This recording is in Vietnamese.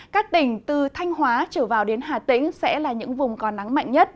các tỉnh từ thanh hóa trở vào đến hà tĩnh sẽ là những vùng có nắng mạnh nhất